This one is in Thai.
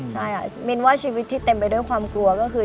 ใช่มินว่าชีวิตที่เต็มไปด้วยความกลัวก็คือ